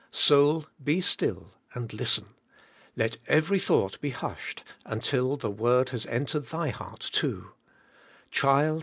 Soul, be still and listen; let every thought be hushed until the word has en tered thy heart too: 'Child!